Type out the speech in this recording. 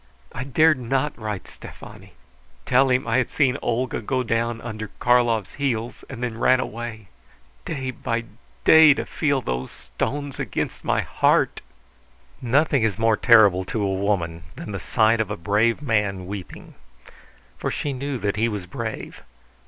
I dared not write Stefani; tell him I had seen Olga go down under Karlov's heels, and then ran away!... Day by day to feel those stones against my heart!" Nothing is more terrible to a woman than the sight of a brave man weeping. For she knew that he was brave.